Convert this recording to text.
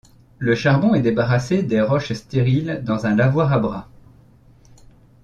Le charbon est débarrassé des roches stériles dans un lavoir à bras.